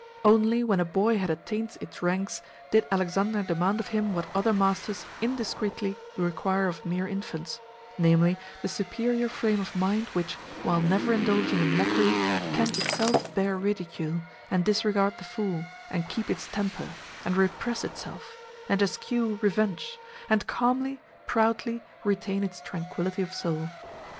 Only when a boy had attained its ranks did Alexander demand of him what other masters indiscreetly require of mere infants namely the superior frame of mind which, while never indulging in mockery, can itself bear ridicule, and disregard the fool, and keep its temper, and repress itself, and eschew revenge, and calmly, proudly retain its tranquillity of soul.